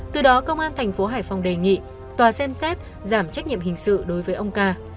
từ đó công an thành phố hải phòng đề nghị tòa xem xét giảm trách nhiệm hình sự đối với ông ca